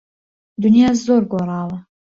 دنیا زۆر گۆڕاوە.